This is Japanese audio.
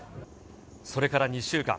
それから２週間。